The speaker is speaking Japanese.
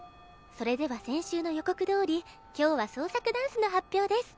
それでは先週の予告どおり今日は創作ダンスの発表です。